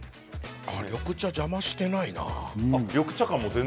緑茶は邪魔をしていない。